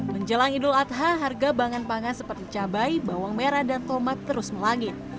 menjelang idul adha harga bahan pangan seperti cabai bawang merah dan tomat terus melangit